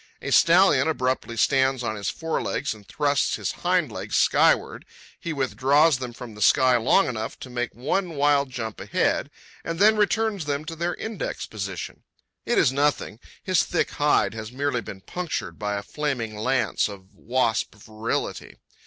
A stallion abruptly stands on his forelegs and thrusts his hind legs skyward. He withdraws them from the sky long enough to make one wild jump ahead, and then returns them to their index position. It is nothing. His thick hide has merely been punctured by a flaming lance of wasp virility.